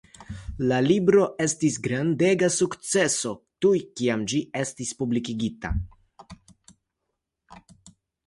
La libro estis grandega sukceso tuj kiam ĝi estis publikigita.